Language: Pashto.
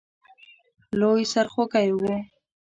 لوی سرخوږی وو.